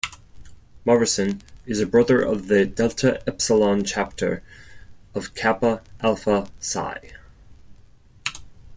Morrison is a brother of the Delta Epsilon chapter of Kappa Alpha Psi.